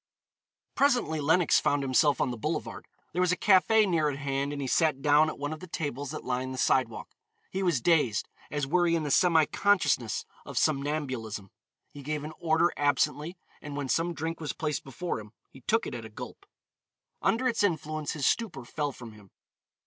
Presently Lenox found himself on the boulevard. There was a café near at hand, and he sat down at one of the tables that lined the sidewalk. He was dazed as were he in the semi consciousness of somnambulism. He gave an order absently, and when some drink was placed before him, he took it at a gulp. Under its influence his stupor fell from him.